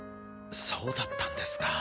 そうだったんですか。